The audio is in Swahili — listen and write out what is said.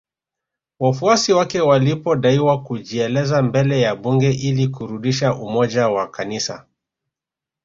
Wafuasi wake walipodaiwa kujieleza mbele ya Bunge ili kurudisha umoja wa kanisa